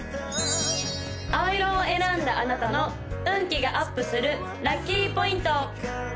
青色を選んだあなたの運気がアップするラッキーポイント！